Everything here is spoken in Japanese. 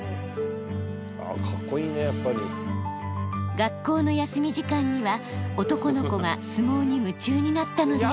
学校の休み時間には男の子が相撲に夢中になったのです。